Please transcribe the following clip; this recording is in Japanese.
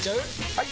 ・はい！